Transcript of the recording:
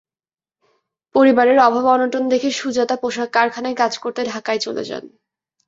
পরিবারের অভাব-অনটন দেখে সুজাতা পোশাক কারখানায় কাজ করতে ঢাকায় চলে যান।